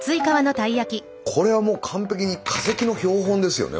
これは完璧に化石の標本ですよね